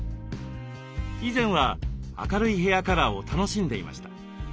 以前は明るいヘアカラーを楽しんでいました。